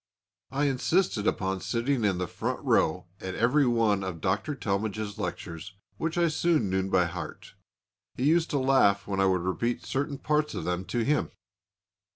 I insisted upon sitting in the front row at every one of Dr. Talmage's lectures, which I soon knew by heart. He used to laugh when I would repeat certain parts of them to him.